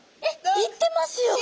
いってますよ！